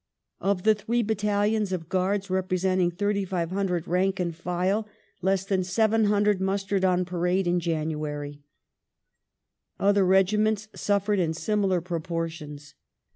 Of the three battalions of Guards, representing 3,500 rank and file, less than 700 mustered on parade in January. Other regiments suffered in similar proportions.